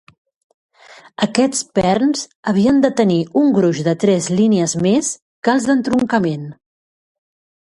Aquests perns havien de tenir un gruix de tres línies més que els d'entroncament.